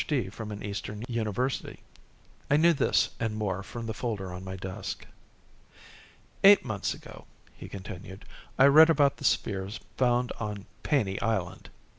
D. from an eastern university. I knew this and more from the folder on my desk. "Eight months ago," he continued, "I read about the sphere found on Paney Island."